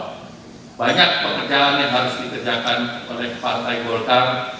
dan banyak pekerjaan yang harus dikerjakan oleh partai golkar